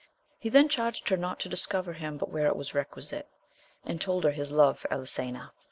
He then charged her not to discover him but where it was requisite, and told her his love AMADIS OF GAUL. 5 for EKsena.